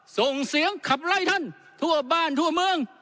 ส่งเสียงขับไล่ท่านทั่วบ้านทั่วเมือง